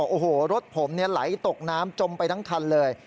โอ้โหรถผมไหลตกน้ำจมไปทั้งคันเลย